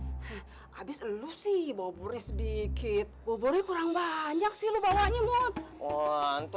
iya artikelnya di bangun dong udah kagak ada lagi kalau dikawinin bisa keluar nanti dia nangkein dia tidur lagi iya artikelnya di bangun dong